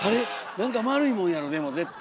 何か丸いもんやろでも絶対！